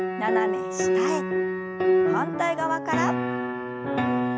反対側から。